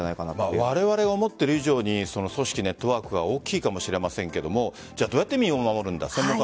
われわれが思っている以上に組織、ネットワークが大きいかもしれませんがどうやって身を守るんだ